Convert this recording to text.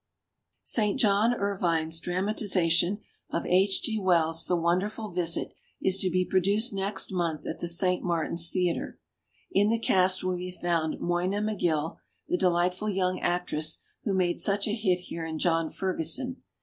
«« St. John Ervine's dramatization of H. G. Wells's "The Wonderful Visit" is to be produced next month at the St. Martin's theatre. In the cast will be found Moyna MacGill, the delightful young actress who made such a hit here in "John Ferguson".